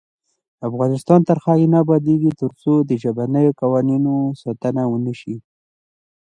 افغانستان تر هغو نه ابادیږي، ترڅو د ژبنیو قوانینو ساتنه ونشي.